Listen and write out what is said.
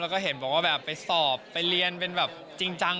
แล้วก็เห็นบอกว่าแบบไปสอบไปเรียนเป็นแบบจริงจัง